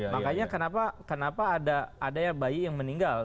makanya kenapa ada bayi yang meninggal